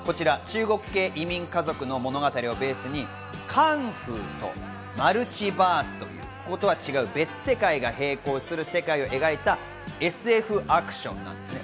中国系移民家族の物語をベースに、カンフーとマルチバースという別世界が並行する世界を描いたＳＦアクションです。